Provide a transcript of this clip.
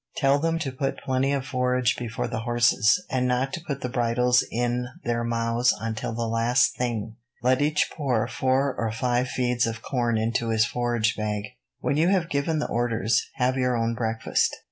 Tell them to put plenty of forage before the horses, and not to put the bridles in their mouths until the last thing. Let each pour four or five feeds of corn into his forage bag. "When you have given the orders, have your own breakfast.